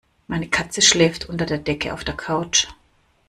Meine Katze schläft unter der Decke auf der Couch.